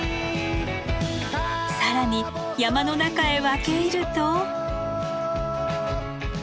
更に山の中へ分け入ると。